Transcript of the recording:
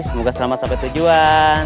semoga selamat sampai tujuan